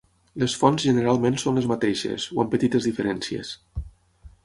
Les fonts generalment són les mateixes, o amb petites diferències.